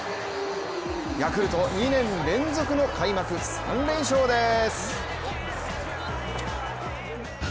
ヤクルト、２年連続の開幕３連勝です。